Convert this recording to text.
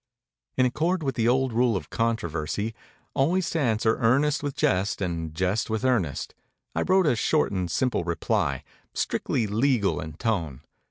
In accord with the old rule of controversy always to answer earnest with jest and jest with earnest I wrote a short and simple reply, strictly legal in tone.